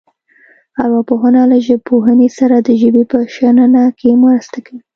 ارواپوهنه له ژبپوهنې سره د ژبې په شننه کې مرسته کوي